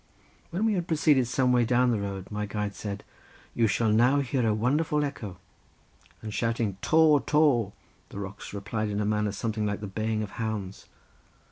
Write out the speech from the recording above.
When we had proceeded some way down the road my guide said: "You shall now hear a wonderful echo," and shouting, "taw, taw," the rocks replied in a manner something like the baying of hounds.